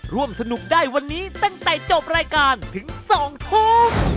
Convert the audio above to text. ร่วมสนุกได้วันนี้ตั้งแต่จบรายการถึง๒ทุ่ม